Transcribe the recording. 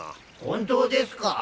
本当ですか？